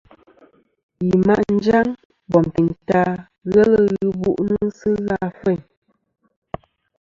Yi ma' njaŋ bom teyn ta ghelɨ bu'nɨ sɨ ghɨ a feyn.